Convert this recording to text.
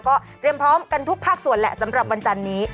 ก็เตรียมพร้อมกันทุกภาคส่วนแหละสำหรับวันจันนี้